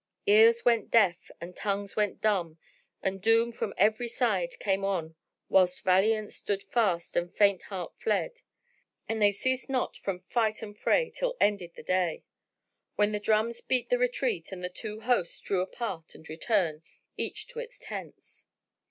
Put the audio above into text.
Ears went deaf and tongues went dumb and doom from every side came on whilst valiant stood fast and faint heart fled: and they ceased not from fight and fray till ended the day, when the drums beat the retreat and the two hosts drew apart and returned, each to its tents.